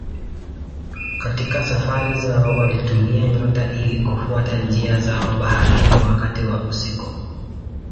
Katika safari zao walitumia nyota ili kufuata njia zao baharini wakati wa usiku.